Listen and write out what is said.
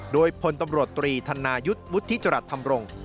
โดยพลตำรวจตรีธนายุทธ์วุฒิจรัสธรรมรงค์